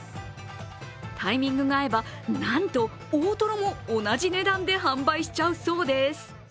タイミングが合えばなんと大トロも同じ値段で販売しちゃうそうです。